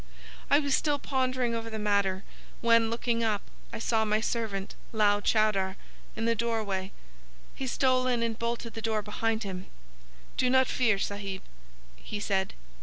"'I was still pondering over the matter, when, looking up, I saw my servant, Lal Chowdar, in the doorway. He stole in and bolted the door behind him. "Do not fear, Sahib," he said.